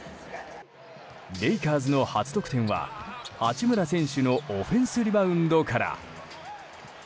レイカーズの初得点は八村選手のオフェンスリバウンドから。